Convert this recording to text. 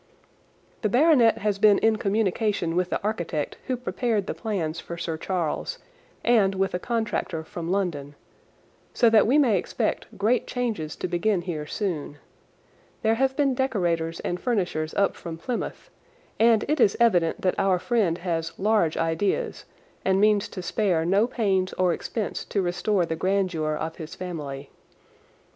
The baronet has been in communication with the architect who prepared the plans for Sir Charles, and with a contractor from London, so that we may expect great changes to begin here soon. There have been decorators and furnishers up from Plymouth, and it is evident that our friend has large ideas and means to spare no pains or expense to restore the grandeur of his family.